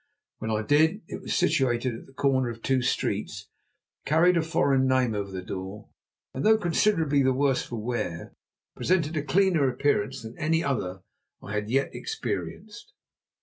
When I did it was situated at the corner of two streets, carried a foreign name over the door, and, though considerably the worse for wear, presented a cleaner appearance than any other I had as yet experienced.